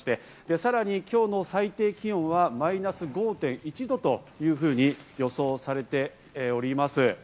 さらに今日の最低気温はマイナス５．１度。というふうに予想されております。